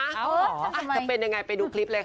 จะเป็นยังไงไปดูคลิปเลยค่ะ